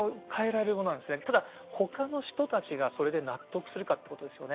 ただ他の人たちがそれで納得するかってことですよね。